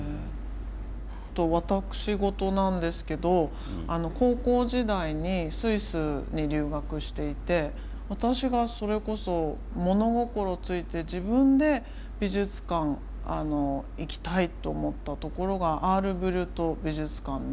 私事なんですけど高校時代にスイスに留学していて私がそれこそ物心ついて自分で美術館行きたいと思ったところがアール・ブリュット美術館で。